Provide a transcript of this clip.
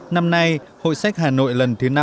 năm nay hội sách hà nội lần thứ năm